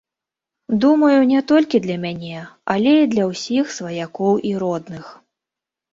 Думаю, не толькі для мяне, але і для ўсіх сваякоў і родных.